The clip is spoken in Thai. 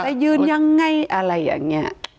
ยืนยังไงอะไรอย่างนี้